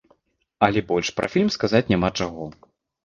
Але больш пра фільм сказаць няма чаго.